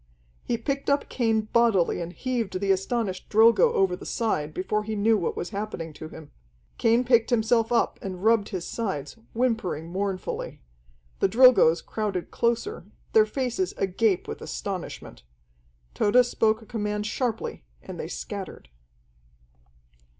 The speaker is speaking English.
He picked up Cain bodily and heaved the astonished Drilgo over the side before he knew what was happening to him. Cain picked himself up and rubbed his sides, whimpering mournfully. The Drilgoes crowded closer, their faces agape with astonishment. Tode spoke a command sharply, and they scattered.